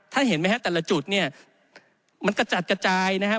เห็นไหมฮะแต่ละจุดเนี่ยมันกระจัดกระจายนะครับ